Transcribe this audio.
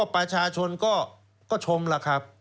ประชาชนก็ชมล่ะครับ